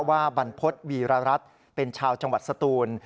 บรรพฤษวีรรัฐเป็นชาวจังหวัดสตูน